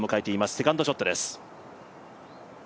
セカンドショットです。